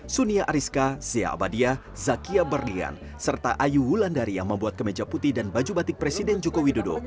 sunia ariska zia abadiah zakia berlian serta ayu wulandari yang membuat kemeja putih dan baju batik presiden joko widodo